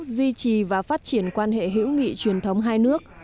duy trì và phát triển quan hệ hữu nghị truyền thống hai nước